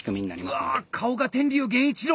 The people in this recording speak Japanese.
うわ顔が天龍源一郎！